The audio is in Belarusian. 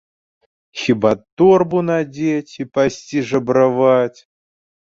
Хіба торбу надзець і пайсці жабраваць?